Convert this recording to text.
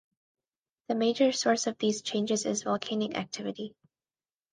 The major source of these changes is volcanic activity.